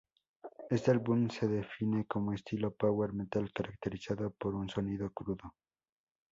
Este álbum se define como estilo Power metal caracterizado por un sonido crudo.